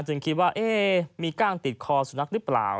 คิดว่ามีก้างติดคอสุนัขหรือเปล่า